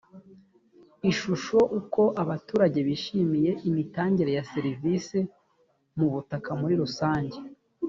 ishusho uko abaturage bishimiye imitangire ya serivisi mu butaka muri rusange